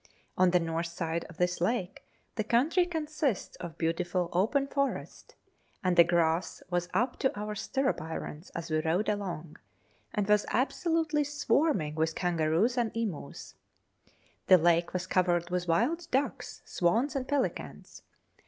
On the north side of this lake the country consists of beautiful open forest, and the grass was up to our stirrup irons as we rode along, and was absolutely swarming with kangaroos and emus. The lake was covered with wild ducks, swans, and pelicans.